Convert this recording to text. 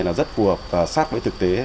là rất phù hợp và sát với thực tế